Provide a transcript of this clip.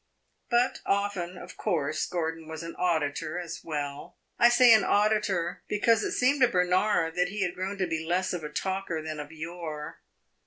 But often, of course, Gordon was an auditor as well; I say an auditor, because it seemed to Bernard that he had grown to be less of a talker than of yore.